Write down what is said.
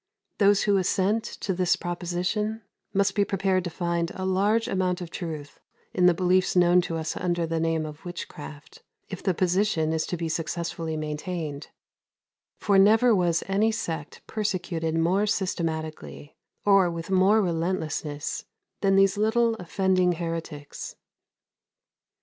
Those who assent to this proposition must be prepared to find a large amount of truth in the beliefs known to us under the name of witchcraft, if the position is to be successfully maintained; for never was any sect persecuted more systematically, or with more relentlessness, than these little offending heretics.